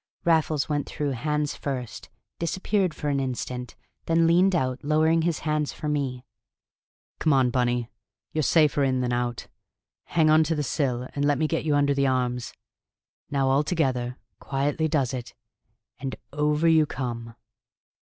Raffles went through hands first, disappeared for an instant, then leaned out, lowering his hands for me. "Come on, Bunny! You're safer in than out. Hang on to the sill and let me get you under the arms. Now all together quietly does it and over you come!"